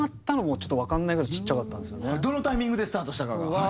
どのタイミングでスタートしたかが？